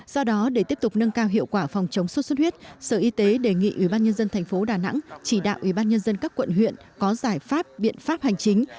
do đó để tiếp tục nâng cao hiệu quả phòng chống sốt xuất huyết sở y tế đề nghị ubnd tp đà nẵng chỉ đạo ubnd các quận huyện có giải pháp biện pháp hành chính